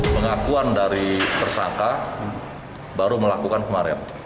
pengakuan dari tersangka baru melakukan kemarin